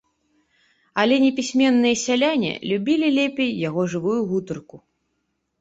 Але непісьменныя сяляне любілі лепей яго жывую гутарку.